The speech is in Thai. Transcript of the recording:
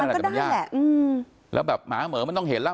มันก็ได้แหละอืมแล้วแบบหมาเหมือนมันต้องเห็นล่ะ